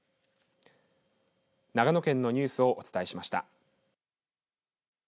長野県のニュースをお伝えしました。